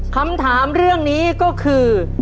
คำถามเรื่องนี้ก็คือ